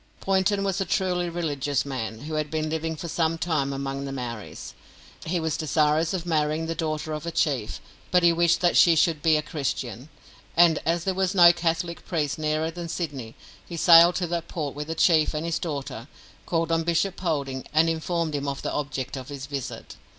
Poynton was a truly religious man, who had been living for some time among the Maoris. He was desirous of marrying the daughter of a chief, but he wished that she should be a Christian, and, as there was no Catholic priest nearer than Sydney, he sailed to that port with the chief and his daughter, called on Bishop Polding, and informed him of the object of his visit.